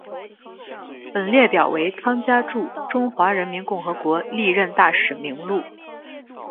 本列表为汤加驻中华人民共和国历任大使名录。